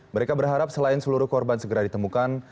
mereka berharap selain seluruh korban segera ditemukan